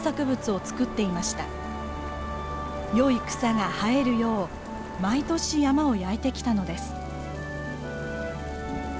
よい草が生えるよう毎年山を焼いてきたのです。